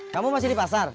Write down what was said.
kamu masih di pasar